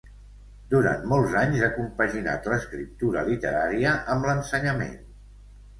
Durant molts anys, ha compaginat l'escriptura literària amb l'ensenyament.